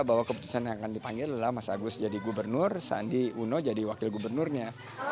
bahwa keputusan yang akan dipanggil adalah mas agus jadi gubernur sandi uno jadi wakil gubernurnya